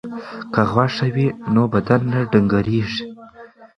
که غوښه وي نو بدن نه ډنګریږي.